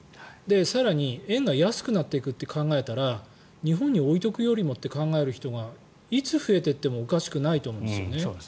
更に円が安くなると考えたら、日本に置いておくよりもと考える人がいつ増えていってもおかしくないと思うんです。